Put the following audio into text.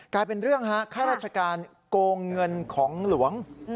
กลายเป็นเรื่องฮะข้าราชการโกงเงินของหลวง